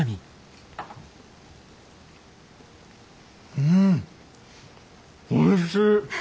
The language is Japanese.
うんおいしい！